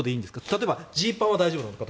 例えばジーパンは大丈夫なのか。